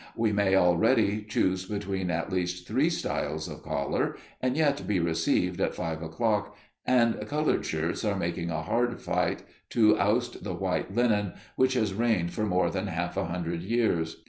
We may already choose between at least three styles of collar and yet be received at five o'clock, and coloured shirts are making a hard fight to oust the white linen which has reigned for more than half a hundred years.